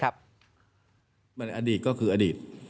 มันอดีตก็คืออดีต